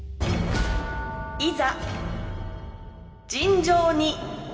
いざ。